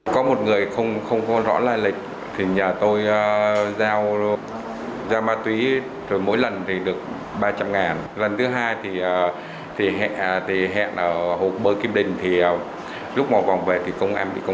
có một người không rõ lai lịch thì nhà tôi giao ma túy rồi mỗi lần thì được ba trăm linh ngàn